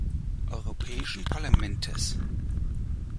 Europäischen Parlamentes.